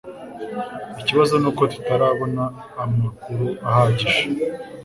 Ikibazo nuko tutarabona amakuru ahagije.